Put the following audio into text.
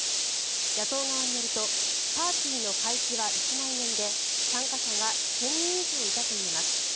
野党側によるとパーティーの会費は１万円で参加者が１０００人以上いたといいます。